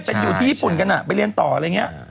เป็นอยู่ที่ญี่ปุ่นกันอ่ะไปเรียงต่ออะไรเงี้ย